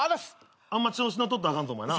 あんま調子乗っとったらあかんぞお前な。